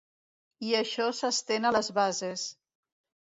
I això s’estén a les bases.